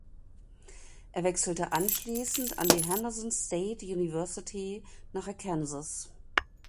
Er wechselte anschließend an die Henderson State University nach Arkansas.